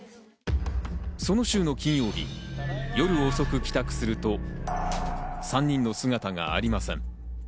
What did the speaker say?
その週の金曜日、夜遅く帰宅すると３人の姿がありません。